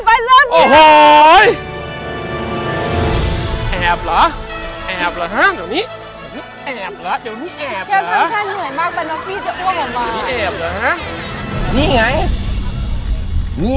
บรรเวิน